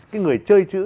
cái người chơi chữ